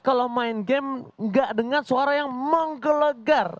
kalau main game gak dengar suara yang menggelegar